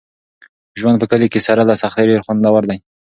ژوند په کلي کې سره له سختۍ ډېر خوندور دی.